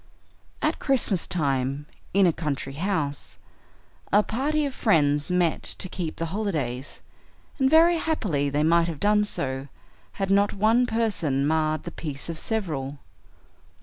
At Christmastime, in a country house, a party of friends met to keep the holidays, and very happily they might have done so had not one person marred the peace of several.